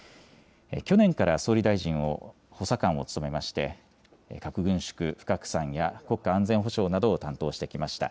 去年から総理大臣補佐官を務めまして、核軍縮、不拡散や国家安全保障などを担当してきました。